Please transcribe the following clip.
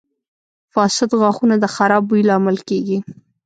• فاسد غاښونه د خراب بوی لامل کیږي.